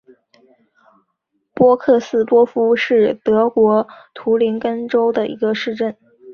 波克斯多夫是德国图林根州的一个市镇。